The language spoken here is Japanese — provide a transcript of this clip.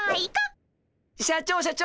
社長社長。